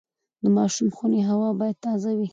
د ماشوم خونې هوا باید تازه وي۔